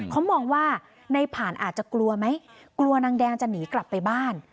เขามองว่าในผ่านอาจจะกลัวไหมกลัวนางแดงจะหนีกลับไปบ้าน